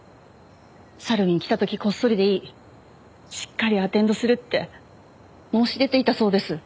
サルウィンに来た時こっそりでいいしっかりアテンドするって申し出ていたそうです。